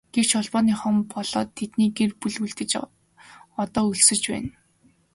Гэвч Холбооныхон болоод тэдний гэр бүл үлдэж одоо өлсөж байна.